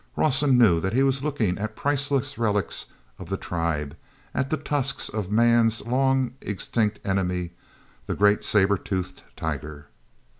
Rawson knew that he was looking at priceless relics of the tribe, at the tusks of man's long extinct enemy, the great sabre toothed tiger.